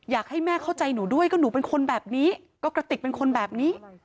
อยากให้แม่เข้าใจหนูด้วยก็หนูเป็นคนแบบนี้ก็กระติกเป็นคนแบบนี้